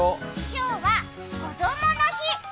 今日はこどもの日。